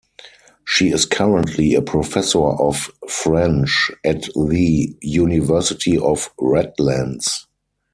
She is currently a professor of French at the University of Redlands.